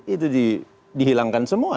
itu dihilangkan semua